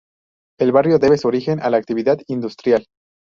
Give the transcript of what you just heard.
El barrio debe su origen a la actividad industrial.